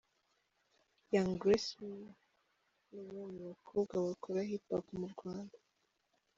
Young Grace ni umwe mu bakobwa bakora Hip hop mu Rwanda.